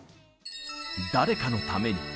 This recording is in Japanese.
誰かのために。